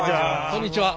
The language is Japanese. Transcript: こんにちは。